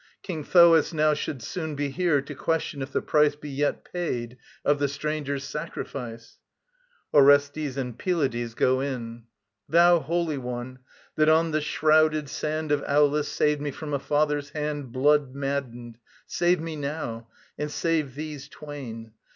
King Thoas now Should soon be here to question if the price Be yet paid of the strangers' sacrifice. [ORESTES and PYLADES go in.] Thou Holy One, that on the shrouded sand Of Aulis saved me from a father's hand Blood maddened, save me now, and save these twain.